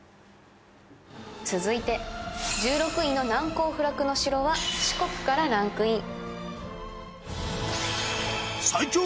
続いて、１６位の難攻不落の城は四国からランクイン。